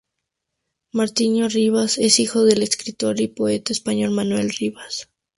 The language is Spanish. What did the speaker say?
Martiño Rivas es hijo del escritor y poeta español Manuel Rivas.